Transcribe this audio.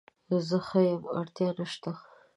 زه ښه یم اړتیا نشته